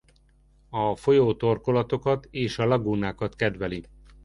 A folyó torkolatokat és a lagúnákat kedveli.